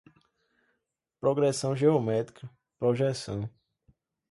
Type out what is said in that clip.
progressão geométrica, projeção